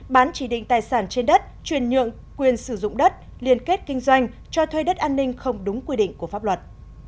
bán chỉ định tài sản trên đất truyền nhượng quyền sử dụng đất liên kết kinh doanh cho thuê đất an ninh không đúng quy định của pháp luật